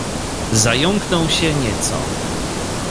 "Zająknął się nieco."